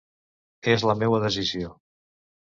És la meua decisió.